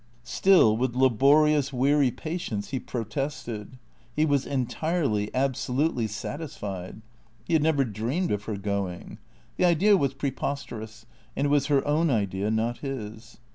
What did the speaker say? Still, with laborious, weary patience, he protested. He was entirely, absolutely satisfied. He had never dreamed of her going. The idea was preposterous, and it was her own idea, not his.